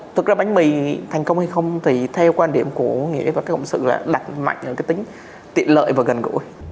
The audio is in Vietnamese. thực ra bánh mì thành công hay không thì theo quan điểm của nghĩa và cộng sự là đặt mạnh ở cái tính tiện lợi và gần gũi